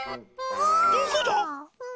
どこだ？え？